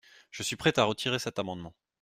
Je suis prêt à retirer cet amendement.